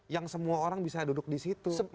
yang semua orang bisa duduk disitu